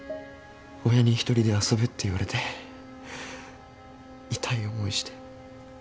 親に１人で遊べって言われて痛い思いして。